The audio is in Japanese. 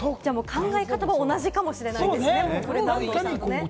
考え方も同じかもしれませんね。